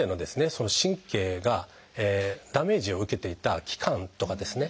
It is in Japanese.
その神経がダメージを受けていた期間とかですね